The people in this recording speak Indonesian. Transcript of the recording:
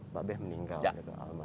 mbak be meninggal